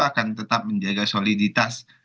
akan tetap menjaga soliditas